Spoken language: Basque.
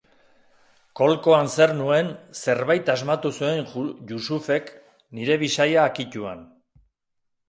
Kolkoan zer nuen, zerbait asmatu zuen Jusufek, nire bisaia akituan.